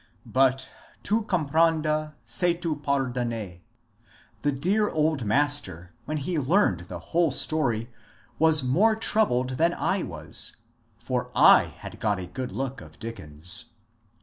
But tout comprendre^ c'est tout pardonner. The dear old master, when he learned the whole story was more troubled than I was, for I had got a good look at Dickens.